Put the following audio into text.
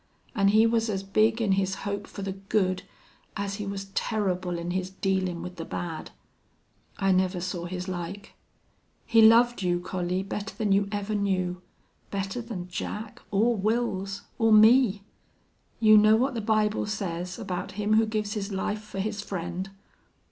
An' he was as big in his hope fer the good as he was terrible in his dealin' with the bad. I never saw his like.... He loved you, Collie, better than you ever knew. Better than Jack, or Wils, or me! You know what the Bible says about him who gives his life fer his friend.